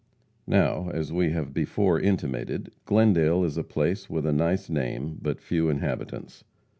Now, as we have before intimated, Glendale is a place with a nice name, but few inhabitants.